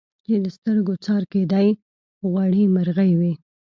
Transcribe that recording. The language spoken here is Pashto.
چي د سترګو څار کېدی غوړي مرغې وې